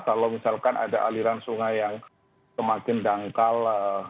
kalau misalkan ada aliran sungai yang semakin dangkal